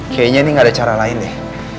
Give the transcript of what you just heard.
kayaknya ini gak ada cara lain deh